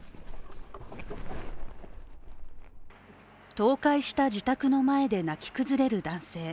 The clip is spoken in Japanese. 倒壊した自宅の前で泣き崩れる男性。